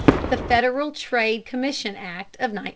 THE FEDERAL TRADE COMMISSION ACT OF 1914.